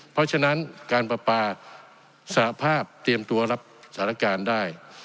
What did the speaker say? เพราะฉะนั้นการประปาสหภาพเตรียมตัวรับสถานการณ์ได้